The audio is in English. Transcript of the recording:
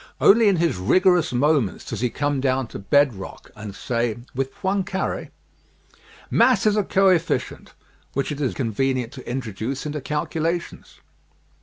Only in his rigorous moments does he come down to bed rock and say, with Poincare, " Mass is a co efficient which it is convenient to introduce into calculations.